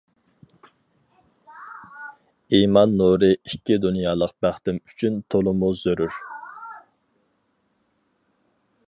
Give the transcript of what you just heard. ئىمان نۇرى ئىككى دۇنيالىق بەختىم ئۈچۈن تولىمۇ زۆرۈر.